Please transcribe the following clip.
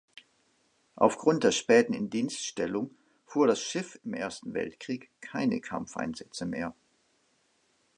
Aufgrund der späten Indienststellung fuhr das Schiff im Ersten Weltkrieg keine Kampfeinsätze mehr.